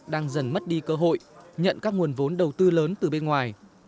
đang dần mất đi cơ hội nhận các nguồn vốn đầu tư lớn từ bên ngoài